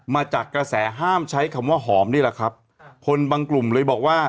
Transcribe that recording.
มาจากกระแสห้ามใช้คำว่าหอมนี่แหละครับคนบางกลุ่มเลยบอกว่า